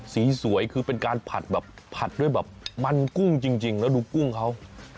สีสวยคือเป็นการผัดแบบผัดด้วยแบบมันกุ้งจริงแล้วดูกุ้งเขา